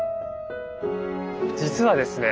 実はですね